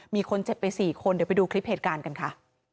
มีคนเจ็บไป๔คนเดี๋ยวไปดูคลิปเหตุการณ์กันค่ะ